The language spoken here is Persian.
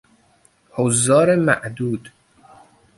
حضار معدود